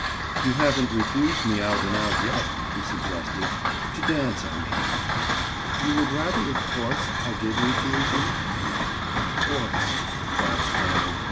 "You haven't refused me out and out, yet," he suggested. "To dance, I mean." "You would rather, of course, I did refuse you?" "Of course," Bob stammered.